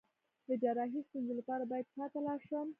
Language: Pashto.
د جراحي ستونزو لپاره باید چا ته لاړ شم؟